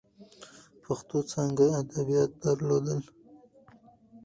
پښتو څانګه ادبیات درلودل.